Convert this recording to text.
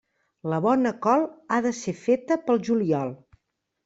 La bona col ha de ser feta pel juliol.